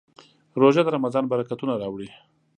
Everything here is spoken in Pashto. روژه د رمضان برکتونه راوړي.